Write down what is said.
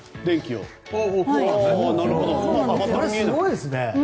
これ、すごいですね。